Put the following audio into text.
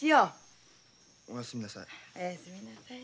おやすみなさい。